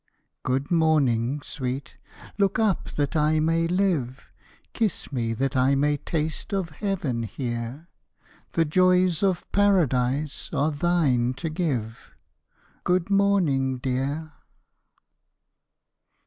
Good morning, sweet! look up that I may live, Kiss me that I may taste of Heaven here, The joys of Paradise are thine to give, Good morning, dear!